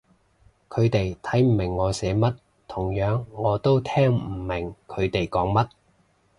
佢哋睇唔明我寫乜，同樣我都聽唔明佢哋講乜